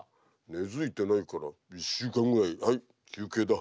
「根づいてないから１週間ぐらいはい休憩だ」